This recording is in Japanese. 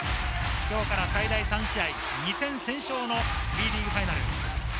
今日から最大３試合、２戦先勝のＢリーグファイナル。